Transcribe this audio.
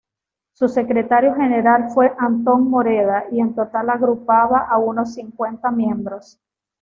Su secretario general fue Antón Moreda, y en total agrupaba a unos cincuenta miembros.